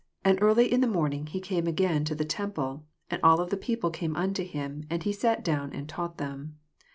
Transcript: . 2 And early in the morning he eame again to the temple, and all the people came nnto him; and he aat down, and tanght them.